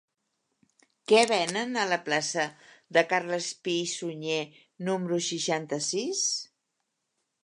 Què venen a la plaça de Carles Pi i Sunyer número seixanta-sis?